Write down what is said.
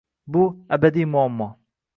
Bu — abadiy muammo…